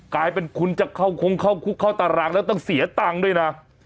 กลายเป็นคุณจะเข้าคงเข้าคุกเข้าตารางแล้วต้องเสียตังค์ด้วยนะ